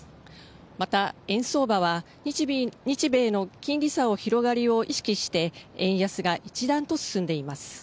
また円相場は日米の金利差の広がりを意識して、円安が一段と進んでいます。